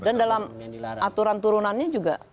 dan dalam aturan turunannya juga disebut